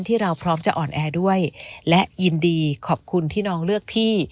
ที่เราพร้อมจะอ่อนแอด้วยและยินดีขอบคุณที่น้องเลือกพี่